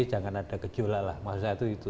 jangan ada kejolak lah maksud saya itu itu